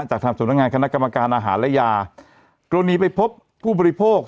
จากทางสำนักงานคณะกรรมการอาหารและยากรณีไปพบผู้บริโภค